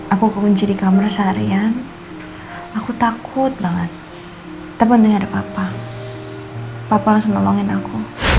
aku ke kunci di kamar seharian aku takut banget tapi untungnya ada papa papa langsung nolongin aku